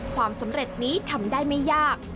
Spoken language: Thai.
ความสำเร็จนี้ทำได้ไม่ยาก